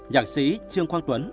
nhạc sĩ trương quang tuấn